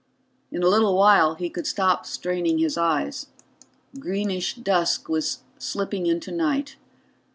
In a little while he could stop straining his eyes. Greenish dusk was slipping into night.